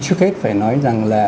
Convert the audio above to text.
trước hết phải nói rằng là